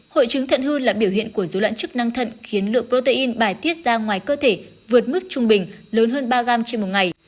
hội chứng thận hư là biểu hiện của dối loạn chức năng thận khiến lượng protein bài tiết ra ngoài cơ thể vượt mức trung bình lớn hơn ba gram trên một ngày